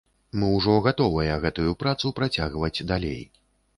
Мы ўжо гатовыя гэтую працу працягваць далей.